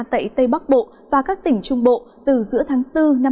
tại tây bắc bộ và các tỉnh trung bộ từ giữa tháng bốn hai nghìn hai mươi ba